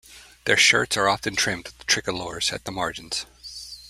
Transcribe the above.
Their shirts are often trimmed with "tricolores" at the margins.